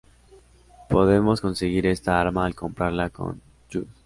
Podemos conseguir esta arma al comprarla con Judd.